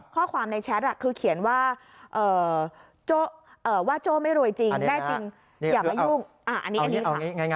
ข้อความในแชทคือเขียนว่าโจ้ไม่รวยจริงแน่จริงอย่ามายุ่งอันนี้ค่ะ